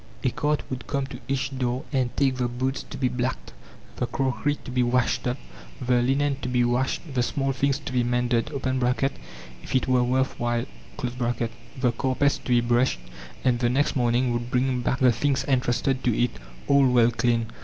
A cart would come to each door and take the boots to be blacked, the crockery to be washed up, the linen to be washed, the small things to be mended (if it were worth while), the carpets to be brushed, and the next morning would bring back the things entrusted to it, all well cleaned.